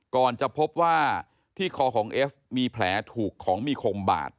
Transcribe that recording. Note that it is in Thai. ก่อนจะพบว่าที่คอของเอฟมีแผลถูกของมีคมบาด